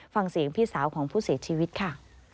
ฟังเสียงพี่สาวของผู้เสียชีวิตค่ะ